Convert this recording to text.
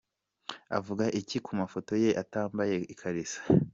Avuga iki ku mafoto ye atambaye ikariso ?.